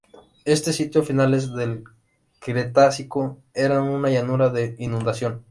Este sitio a finales del Cretácico era una llanura de inundación.